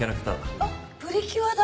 あっ『プリキュア』だ。